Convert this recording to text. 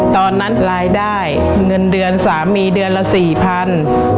ตอนนั้นรายได้เงินเดือนสามีเดือนละสี่พัน